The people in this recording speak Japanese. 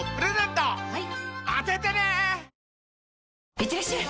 いってらっしゃい！